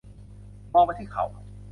มองไปที่เขา